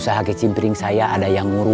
usaha ke cimpring saya ada yang ngurus